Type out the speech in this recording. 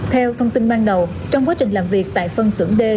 theo thông tin ban đầu trong quá trình làm việc tại phân xưởng d